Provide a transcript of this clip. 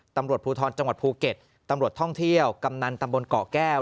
ตรรวจผู้ทอนจังหวัดภูเกษตรรวจท่องเที่ยวกำนันตำบลกตแก้ว